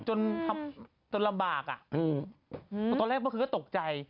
จนลำบากตอนแรกเมื่อกี้ก็ตกใจ